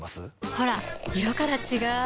ほら色から違う！